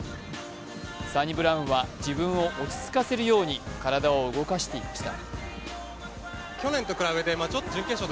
サニブラウンは自分を落ち着かせるように、体を動かしていました。